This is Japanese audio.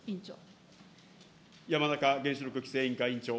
山中原子力規制委員会委員長。